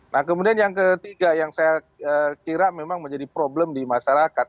nah kemudian yang ketiga yang saya kira memang menjadi problem di masyarakat